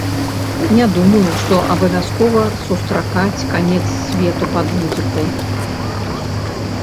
Не думаю, што абавязкова сустракаць канец свету пад музыку.